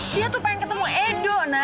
dia tuh pengen ketemu edo na